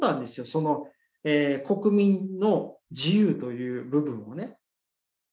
その国民の自由という部分をね。